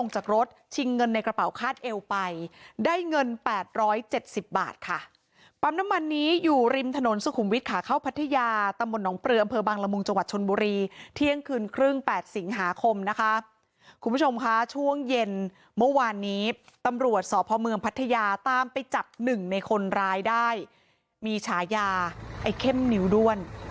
ชิงเงินในกระเป๋าคาดเอวไปได้เงินแปดร้อยเจ็ดสิบบาทค่ะปั๊มน้ำมันนี้อยู่ริมถนนสุขุมวิทค่ะเข้าพัทยาตำบลหนองเปลืออำเภอบังละมุงจังหวัดชนบุรีเที่ยงคืนครึ่งแปดสิงหาคมนะคะคุณผู้ชมค่ะช่วงเย็นเมื่อวานนี้ตำรวจสอบพระเมืองพัทยาตามไปจับหนึ่งในคนร้ายได้มีฉายาไอ้เข้มนิ้ว